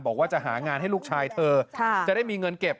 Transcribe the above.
บอกว่าจะหางานให้ลูกชายเธอจะได้มีเงินเก็บ